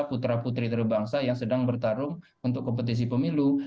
putra putri terbangsa yang sedang bertarung untuk kompetisi pemilu